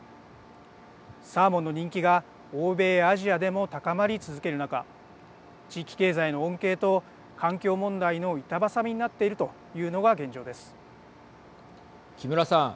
サーモンの人気が欧米アジアでも高まり続ける中地域経済への恩恵と環境問題の板挟みになっている木村さん。